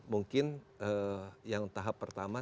mungkin yang tahap pertama